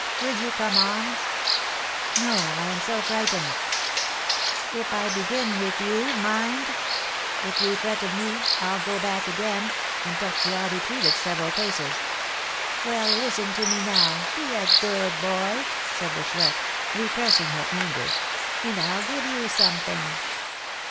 Will you come on?" "No, I am so frightened!" "If I begin with you! Mind " "If you threaten me, I'll go back again!" and Tortillard retreated several paces. "Well, listen to me, now, be a good boy," said the Chouette, repressing her anger, "and I'll give you something."